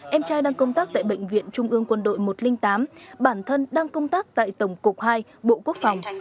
em trai đang công tác tại bệnh viện trung ương quân đội một trăm linh tám bản thân đang công tác tại tổng cục hai bộ quốc phòng